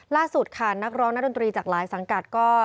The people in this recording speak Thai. ล่าสุดค่ะนักร้องนักดนตรีจากหลายสังกัดก็